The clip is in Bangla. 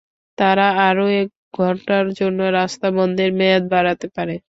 তারা আরও এক ঘন্টার জন্য রাস্তা বন্ধের মেয়াদ বাড়াতে পারে।